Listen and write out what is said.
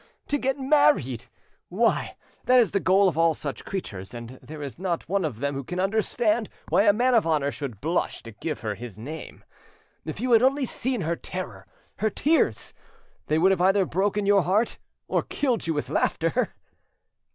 To get married! Why, that is the goal of all such creatures, and there is not one of them who can understand why a man of honour should blush to give her his name. If you had only seen her terror, her tears! They would have either broken your heart or killed you with laughter."